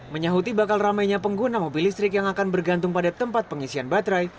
menyahuti bakal ramainya pengguna mobil listrik yang akan bergantung pada tempat pengisian baterai